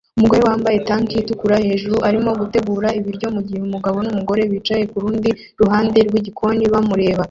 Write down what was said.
Umugore wambaye tank itukura hejuru arimo gutegura ibiryo mugihe umugabo numugore bicaye kurundi ruhande rwigikoni bamureba